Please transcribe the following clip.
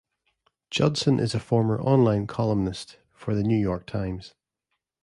Judson is a former on-line columnist for the "New York Times".